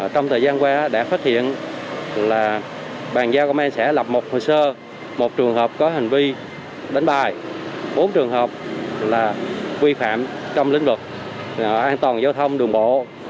trong thời gian qua đã phát hiện là bàn giao công an xã lập một hồ sơ một trường hợp có hành vi đánh bài bốn trường hợp là vi phạm trong lĩnh vực an toàn giao thông đường bộ